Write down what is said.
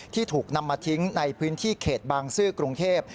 ที่ถูกนำมาทิ้งในพื้นที่เขตบางซื่อกรุงเทพ